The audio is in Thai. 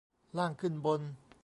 ล่างขึ้นบน